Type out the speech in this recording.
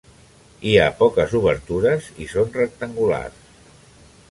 Hi ha poques obertures i són rectangulars.